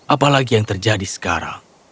apalagi yang terjadi sekarang